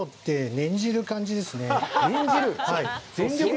念じる？